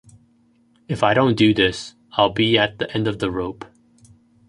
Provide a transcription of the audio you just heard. If I don't do this, I'll be at the end of the rope.